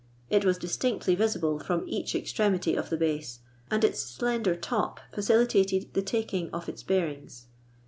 It was distinctly visible from each extremity of the base, and its slender top facili tated the taking of its bearings.